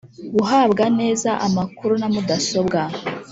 Guhabwa neza amakuru na mudasobwa